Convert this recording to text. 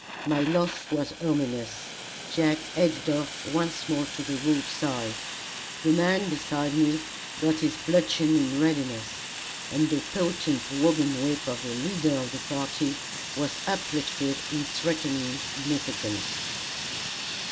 My laugh was ominous, Jake edged off once more to the roadside; the man beside me, got his bludgeon in readiness, and the potent wagon whip of the leader of the party was uplifted in threatening significance.